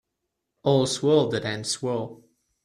All's well that ends well.